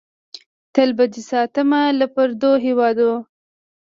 تل به دې ساتم له پردو هېواده!